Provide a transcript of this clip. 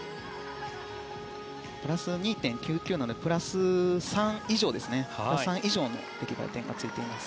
プラス２．９９なのでプラス３以上の加点がついています。